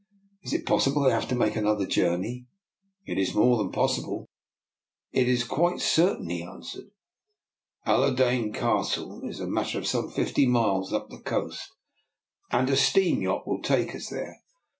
"Is it possible they have to make another jour ney? "" It is more than possible — it is quite cer tain," he answered. " Allerdeyne Castle is a matter of some fifty miles up the coast, and a steam yacht will take us there.